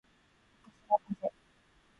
私はかぜ